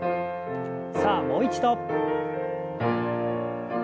さあもう一度。